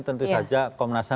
tentu saja komnas ham